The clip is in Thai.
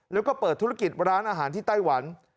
แล้วก็เปิดธุรกิจร้านอาหารที่ไต้หวัน